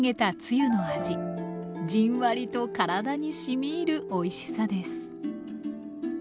じんわりと体にしみいるおいしさです